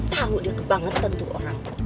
tahu dia kebangetan tuh orang